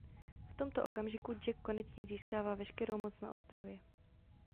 V tomto okamžiku Jack konečně získává veškerou moc na ostrově.